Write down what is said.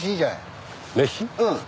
うん。